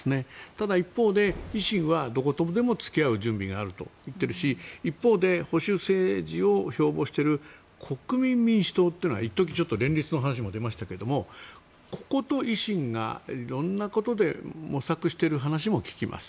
ただ一方で維新はどことでも付き合う準備があると言っているし一方で保守政治を標ぼうしている国民民主党というのは一時、ちょっと連立の話も出ましたがここと維新が色んなことで模索している話も聞きます。